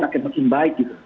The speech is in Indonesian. makin makin baik gitu